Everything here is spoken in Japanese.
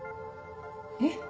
えっ？